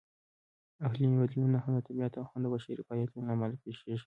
اقلیمي بدلونونه هم د طبیعت او هم د بشري فعالیتونو لهامله پېښېږي.